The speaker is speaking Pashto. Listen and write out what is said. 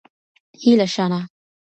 هیلهشانه